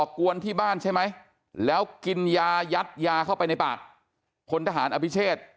กวนที่บ้านใช่ไหมแล้วกินยายัดยาเข้าไปในปากพลทหารอภิเชษ